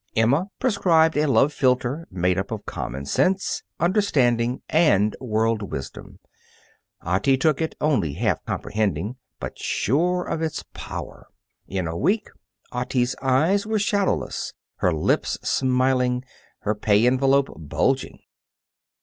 Emma prescribed a love philter made up of common sense, understanding, and world wisdom. Otti took it, only half comprehending, but sure of its power. In a week, Otti's eyes were shadowless, her lips smiling, her pay envelope bulging.